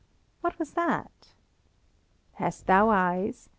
What was that? Hast thou eyes?